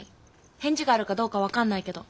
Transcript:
返事があるかどうか分かんないけど。